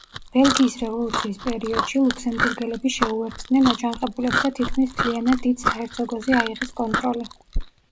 ბელგიის რევოლუციის პერიოდში ლუქსემბურგელები შეუერთდნენ აჯანყებულებს და თითქმის მთლიან დიდ საჰერცოგოზე აიღეს კონტროლი.